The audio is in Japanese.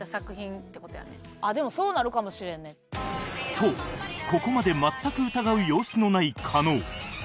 とここまで全く疑う様子のない加納